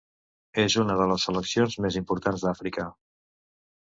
És una de les seleccions més importants d'Àfrica.